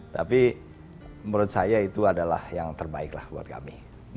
tapi menurut saya itu adalah yang terbaik lah buat kami